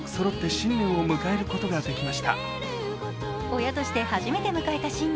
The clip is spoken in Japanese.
親として初めて迎えた新年。